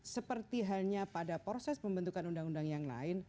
seperti halnya pada proses pembentukan undang undang yang lain